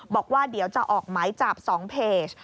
บอกว่าเดี๋ยวจะออกหมายจับ๒เพจ